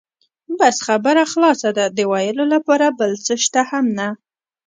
بس خبره خلاصه ده، د وېلو لپاره بل څه شته هم نه.